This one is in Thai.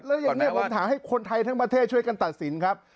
แล้วอย่างนี้ผมถามให้คนไทยทั้งประเทศช่วยกันตัดสินครับ